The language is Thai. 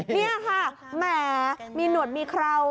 นี่ค่ะแหมมีหนวดมีเครา